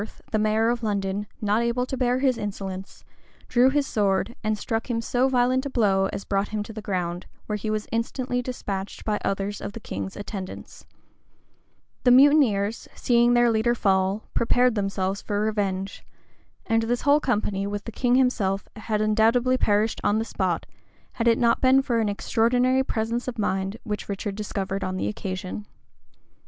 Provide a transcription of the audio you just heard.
He there behaved himself in such a manner, that Walworth, the mayor of London, not able to bear his insolence, drew his sword, and struck him so violent a blow as brought him to the ground, where he was instantly despatched by others of the king's attendants. The mutineers, seeing their leader fall, prepared themselves for revenge; and this whole company, with the king himself, had undoubtedly perished on the spot, had it not been for an extraordinary presence of mind which Richard discovered on the occasion.